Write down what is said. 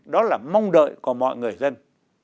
đó là mong đợi của mọi người dân